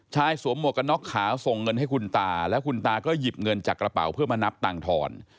สวมหมวกกันน็อกขาวส่งเงินให้คุณตาแล้วคุณตาก็หยิบเงินจากกระเป๋าเพื่อมานับตังค์ทอน